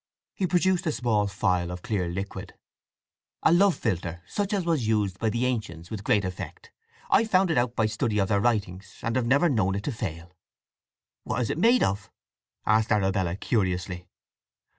He produced a small phial of clear liquid. "A love philtre, such as was used by the ancients with great effect. I found it out by study of their writings, and have never known it to fail." "What is it made of?" asked Arabella curiously.